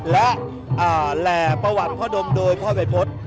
และแหล่ประวัติพ่อดมโดยพ่อวัยพฤษ